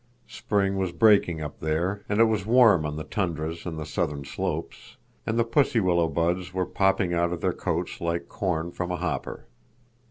Spring was breaking up there, and it was warm on the tundras and the southern slopes, and the pussy willow buds were popping out of their coats like corn from a hopper.